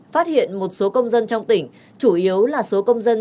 phát hiện một số công dân trong tỉnh chủ yếu là số công dân